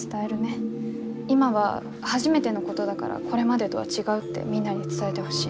今は初めてのことだからこれまでとは違うってみんなに伝えてほしい。